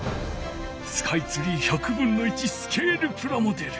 スカイツリー１００分の１スケールプラモデル。